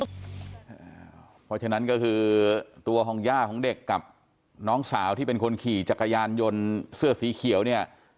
เพราะฉะนั้นก็คือตัวของย่าของเด็กกับน้องสาวที่เป็นคนขี่จักรยานยนต์เสื้อสีเขียวเนี่ย